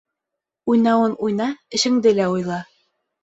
Уйнауын уйна, эшеңде лә уйла.